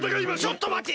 ちょっとまて！